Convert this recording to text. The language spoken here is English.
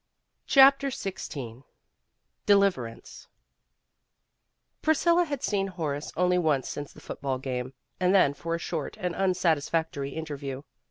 CHAPTER XVI DELIVERANCE PRISCILLA had seen Horace only once since the football game, and then for a short and un satisfactory interview.